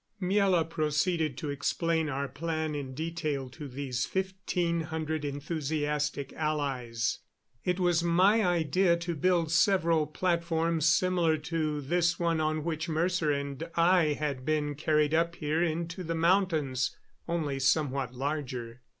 Miela proceeded to explain our plan in detail to these fifteen hundred enthusiastic allies. It was my idea to build several platforms similar to this one on which Mercer and I had been carried up here into the mountains, only somewhat larger.